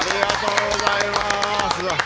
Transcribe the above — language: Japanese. ありがとうございます。